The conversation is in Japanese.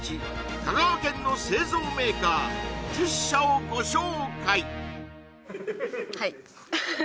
香川県の製造メーカー１０社をご紹介はいハハハハハ